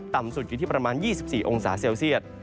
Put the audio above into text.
ต่ำสุดอยู่ที่ประมาณ๒๔องศาเซลเซียต